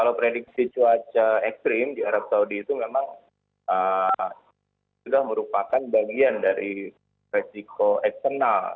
kalau prediksi cuaca ekstrim di arab saudi itu memang sudah merupakan bagian dari resiko eksternal